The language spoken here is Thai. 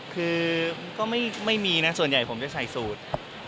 คือก็ไม่มีนะส่วนใหญ่ผมจะใส่สูตร